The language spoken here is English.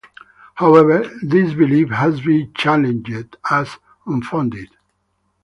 However, this belief has been challenged as unfounded.